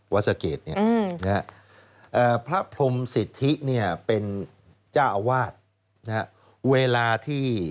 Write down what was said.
วัดสะเกดพระพลมสิทธิเป็นจ้าวาส